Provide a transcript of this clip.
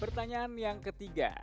pertanyaan yang ketiga